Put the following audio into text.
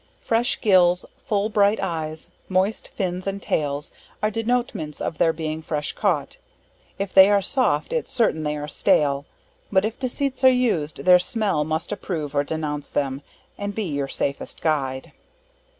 Fresh gills, full bright eyes, moist fins and tails, are denotements of their being fresh caught; if they are soft, its certain they are stale, but if deceits are used, your smell must approve or denounce them, and be your safest guide.